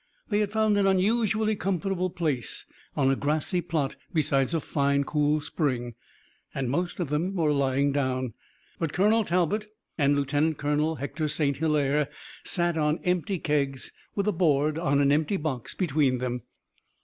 They had found an unusually comfortable place on a grassy plot beside a fine, cool spring, and most of them were lying down. But Colonel Talbot and Lieutenant Colonel Hector St. Hilaire sat on empty kegs, with a board on an empty box between them.